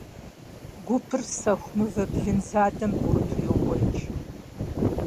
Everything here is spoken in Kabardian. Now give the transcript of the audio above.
Гупыр сэху мывэ блын задэм бгъурыту йокӀуэкӀ.